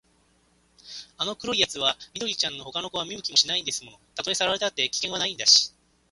あの黒いやつは緑ちゃんのほかの子は見向きもしないんですもの。たとえさらわれたって、危険はないんだし、